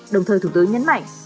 đồng thời thủ tướng nhấn mạnh